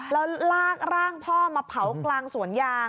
แล้วลากร่างพ่อมาเผากลางสวนยาง